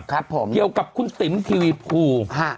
เกี่ยวกับคุณติ๋มทีวีภู